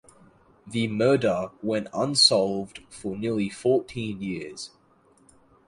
The murder went unsolved for nearly fourteen years.